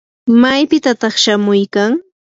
¿maypitataq shamuykan?